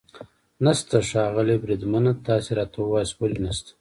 نشته؟ ښاغلی بریدمنه، تاسې راته ووایاست ولې نشته.